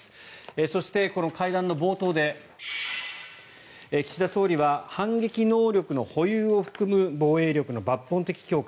そして、この会談の冒頭で岸田総理は反撃能力の保有を含む防衛力の抜本的強化